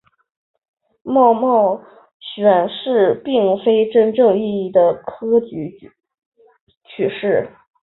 戊戌选试并非真正意义的科举取士。